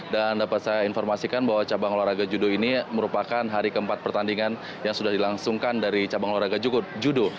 dan dapat saya informasikan bahwa cabang olahraga judo ini merupakan hari keempat pertandingan yang sudah dilangsungkan dari cabang olahraga judo